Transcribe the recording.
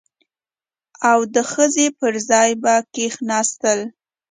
او د ښځې پر ځای به کښېناستل.